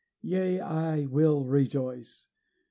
yea, I will rejoice!